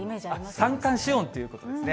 三寒四温ということですね。